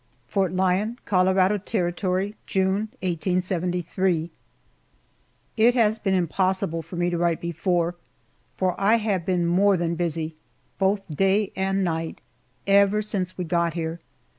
FORT LYON, COLORADO TERRITORY, June, 1873. IT has been impossible for me to write before, for I have been more than busy, both day and night, ever since we got here.